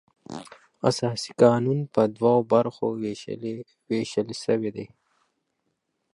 اساسي قانون پر دوو برخو وېشل سوى دئ.